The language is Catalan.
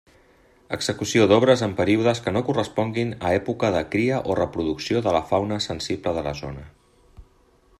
Execució d'obres en períodes que no corresponguin a època de cria o reproducció de la fauna sensible de la zona.